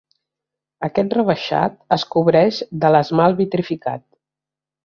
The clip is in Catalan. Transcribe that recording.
Aquest rebaixat es cobreix de l'esmalt vitrificat.